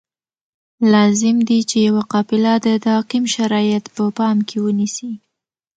لازم دي چې یوه قابله د تعقیم شرایط په پام کې ونیسي.